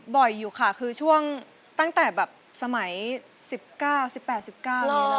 บ่อยอยู่ค่ะคือช่วงตั้งแต่สมัย๑๙๑๘๑๙นี้แล้วค่ะ